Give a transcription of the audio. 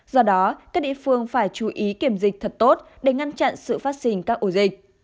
do đó các địa phương phải chú ý kiểm dịch thật tốt để ngăn chặn sự phát sinh các ổ dịch